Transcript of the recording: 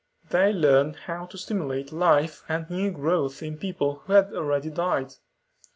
"They learned how to stimulate life and new growth in people who had already died."